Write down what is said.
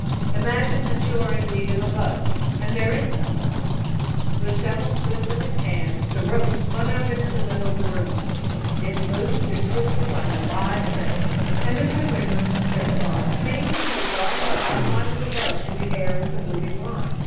"Imagine that you are in need of a boat, and there is no boat." With several twists of his hands the rope spun out into the middle air of the room. It moved and twisted like a live thing, and Mr. Wicker, Chris thought, seemed to be drawing the outline of a boat in the air with the moving line.